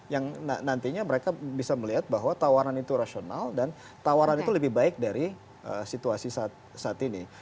yang nantinya mereka bisa melihat bahwa tawaran itu rasional dan tawaran itu lebih baik dari situasi saat ini